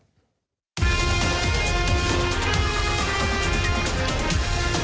โปรดติดตามตอนต่อไป